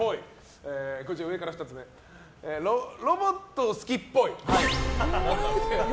上から２つ目ロボット好きっぽい。